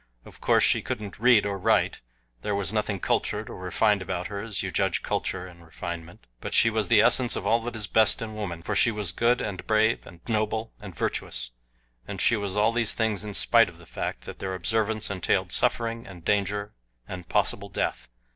Of course she couldn't read or write; there was nothing cultured or refined about her as you judge culture and refinement; but she was the essence of all that is best in woman, for she was good, and brave, and noble, and virtuous. And she was all these things in spite of the fact that their observance entailed suffering and danger and possible death.